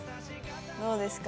どうですか？